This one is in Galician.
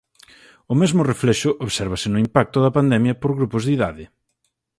O mesmo reflexo obsérvase no impacto da pandemia por grupos de idade.